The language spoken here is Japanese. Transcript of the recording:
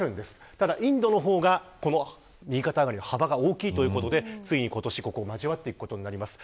ただインドの方が右肩上がりの幅が大きいということでついに今年、ここ交わっていくことになります。